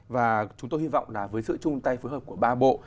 và chúng tôi hy vọng là với sự chung tay phối hợp của ba bộ